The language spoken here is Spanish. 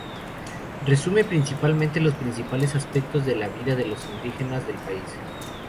Resume, principalmente, los principales aspectos de la vida de los indígenas del país.